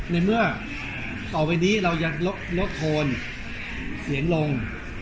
ในเมื่อต่อไปนี้เรายังลดโทนเสียงลง